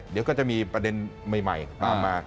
เดี๋ยวก็จะมีประเด็นใหม่ตามมา